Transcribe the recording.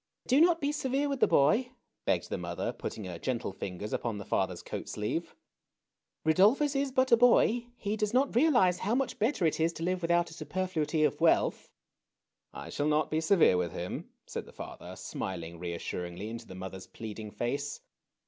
" Do not be severe with the boy," begged the mother, putting her gentle fingers iipon the father's coat sleeve. " Rudolphus is biit a boy ; he does not realize how much better it is to live without a superfluity of wealth." "I shall not be severe with him," said the father, smiling reassuringly into the mother's pleading face.